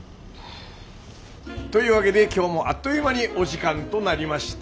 というわげで今日もあっという間にお時間となりました。